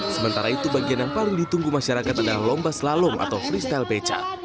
sementara itu bagian yang paling ditunggu masyarakat adalah lomba slalom atau freestyle beca